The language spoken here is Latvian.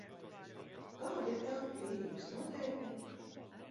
Kādi ir telpu tīrības noteikumi?